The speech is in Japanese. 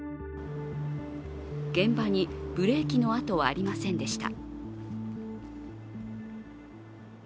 現場にブレーキの痕はありませんでした。